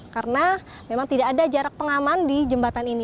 karena memang tidak ada jarak pengaman di jembatan ini